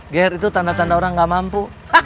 gr itu tanda tanda orang nggak mampu